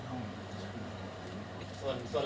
ส่วนลายนิ้วมือที่ไกลปืน